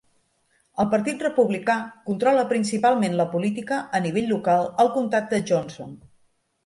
El Partit Republicà controla principalment la política a nivell local al comtat de Johnson.